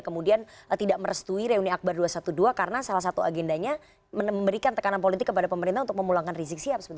kemudian tidak merestui reuni akbar dua ratus dua belas karena salah satu agendanya memberikan tekanan politik kepada pemerintah untuk memulangkan rizik sihab